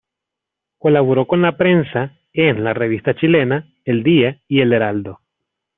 Colaboró con la prensa en la ""Revista Chilena"", ""El Día"" y ""El Heraldo"".